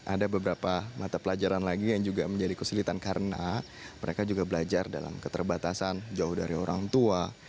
ada beberapa mata pelajaran lagi yang juga menjadi kesulitan karena mereka juga belajar dalam keterbatasan jauh dari orang tua